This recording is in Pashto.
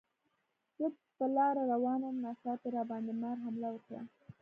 زه په لاره روان وم، ناڅاپي راباندې مار حمله وکړه.